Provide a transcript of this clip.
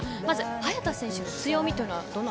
早田選手の強み